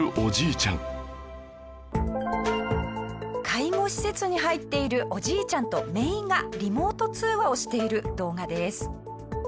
介護施設に入っているおじいちゃんと姪がリモート通話をしている動画です。